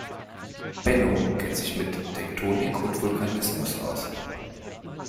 Benno kennt sich mit Tektonik und Vulkanismus aus.